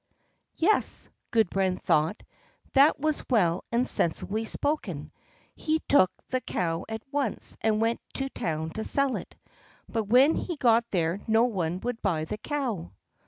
Yes, Gudbrand thought, that was well and sensibly spoken. He took the cow at once and went to town to sell it; but when he got there no one would buy the cow.